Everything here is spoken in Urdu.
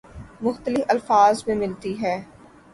مختلف الفاظ میں ملتی ہے